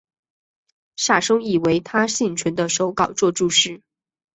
萨松亦为他幸存的手稿作注释。